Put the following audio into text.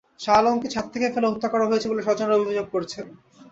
শাহ আলমকে ছাদ থেকে ফেলে হত্যা করা হয়েছে বলে স্বজনেরা অভিযোগ করেছেন।